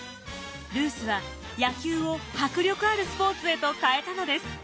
ルースは野球を迫力あるスポーツへと変えたのです。